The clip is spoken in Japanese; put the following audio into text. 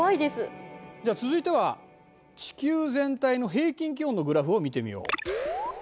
では続いては地球全体の平均気温のグラフを見てみよう。